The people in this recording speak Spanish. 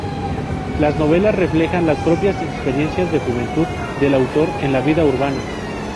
Las novelas reflejan las propias experiencias de juventud del autor en la vida urbana.